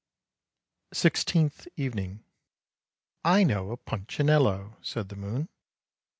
" SIXTEENTH EVENING " I know a Punchinello," said the moon.